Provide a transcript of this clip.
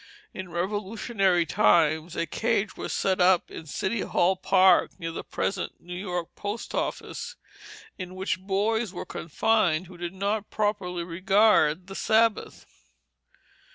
In Revolutionary times a cage was set up in City Hall Park, near the present New York Post office, in which boys were confined who did not properly regard the Sabbath.